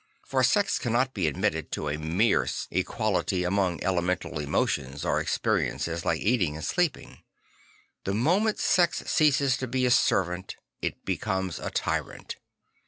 For sex cannot be admitted to a mere equality among elementary emotions or exper iences like eating and sleeping. The moment sex ceases to be a servant it becomes a tyrant.